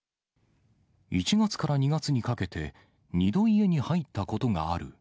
１月から２月にかけて、２度、家に入ったことがある。